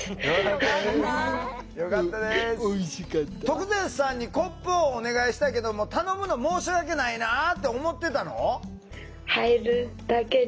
徳善さんにコップをお願いしたけども頼むの申し訳ないなあって思ってたの？